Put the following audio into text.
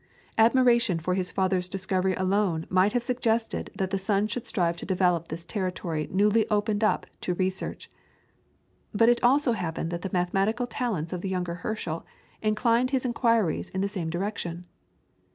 Admiration for his father's discovery alone might have suggested that the son should strive to develop this territory newly opened up to research. But it also happened that the mathematical talents of the younger Herschel inclined his inquiries in the same direction.